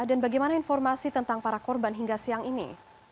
dan bagaimana informasi tentang para korban hingga siang ini